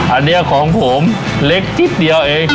อันนี้ของผมเล็กนิดเดียวเอง